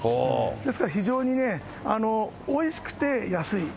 ですから非常にね、おいしくて安い。